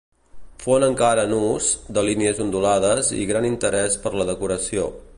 Font encara en ús, de línies ondulades i gran interès per la decoració.